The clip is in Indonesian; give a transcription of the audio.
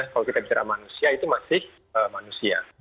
kalau kita bicara manusia itu masih manusia